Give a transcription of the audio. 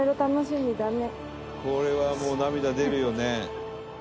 「これはもう涙出るよね」